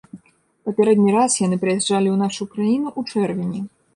Папярэдні раз яны прыязджалі ў нашу краіну ў чэрвені.